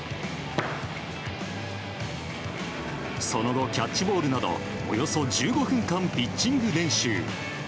その後、キャッチボールなどおよそ１５分間ピッチング練習。